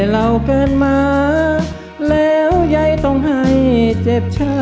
เรงที่